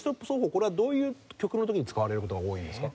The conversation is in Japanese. これはどういう曲の時に使われる事が多いんですか？